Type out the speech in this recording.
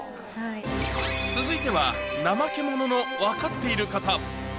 続いてはナマケモノの分かっていること。